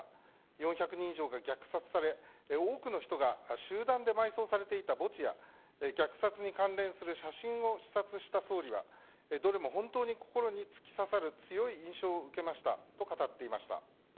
４００人以上が虐殺され多くの人が集団で埋葬されていた墓地や虐殺に関連する写真を視察した総理はどれも本当に心に突き刺さる強い印象を受けましたと語っていました。